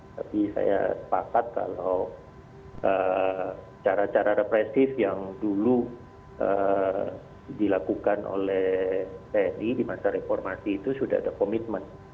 tapi saya sepakat kalau cara cara represif yang dulu dilakukan oleh tni di masa reformasi itu sudah ada komitmen